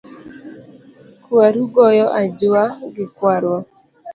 Kwaru goyo ajua gi kwarwa .